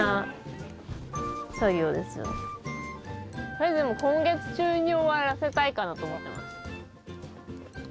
とりあえずもう今月中に終わらせたいかなと思ってます。